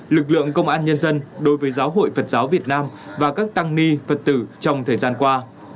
lực lượng công an nhân dân đối với giáo hội phật giáo việt nam và các tăng ni phật tử trong thời gian qua